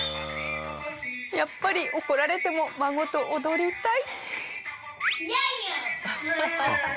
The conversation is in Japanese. やっぱり怒られても孫と踊りたい！